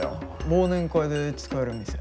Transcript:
忘年会で使える店。